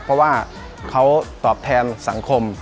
เพราะว่าเขาตอบแทนสังคม